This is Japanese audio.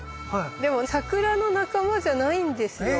でもサクラの仲間じゃないんですよ。へ。